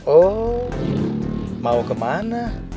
oh mau kemana